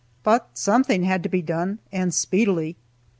But something had to be done, and speedily.